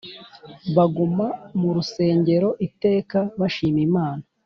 baguma mu rusengero iteka bashima Imana